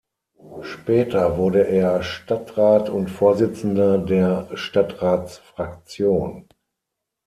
Später wurde er Stadtrat und Vorsitzender der Stadtratsfraktion.